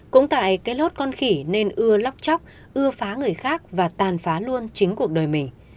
cũng tại cái lốt con khỉ nên ưa lóc chóc ưa phá người khác và tàn phá luôn chính cuộc đời mình